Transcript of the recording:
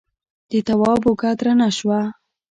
د تواب اوږه درنه شوه.